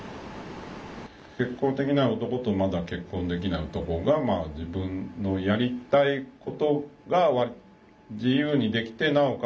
「結婚できない男」と「まだ結婚できない男」が自分のやりたいことが自由にできてなおかつ